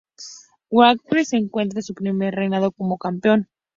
Walker se encuentra en su primer reinado como campeón.